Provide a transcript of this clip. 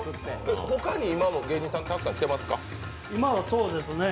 他に今も芸人さん、たくさん来てますか？